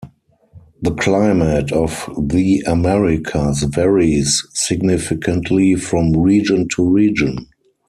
The climate of the Americas varies significantly from region to region.